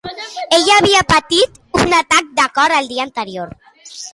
Ell havia patit un atac de cor el dia anterior.